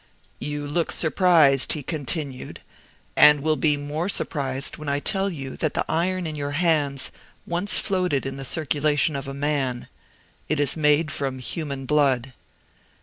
"You look surprised," he continued, "and will be more surprised when I tell you that the iron in your hands once floated in the circulation of a man. It is made from human blood."